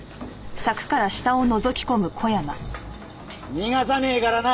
逃がさねえからな。